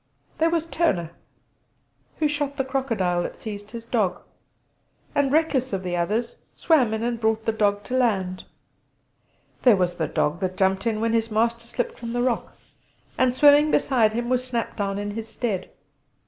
There was Turner, who shot the crocodile that seized his dog, and reckless of the others, swam in and brought the dog to land. There was the dog that jumped in when his master slipped from the rock, and, swimming beside him, was snapped down in his stead!